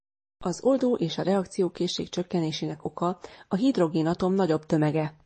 Az oldó- és a reakciókészség csökkenésének oka a hidrogénatom nagyobb tömege.